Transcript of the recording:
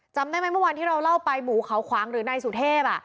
จำได้ไหมเมื่อวานที่เราเล่าไปหมูเขาขวางหรือนายสุเทพ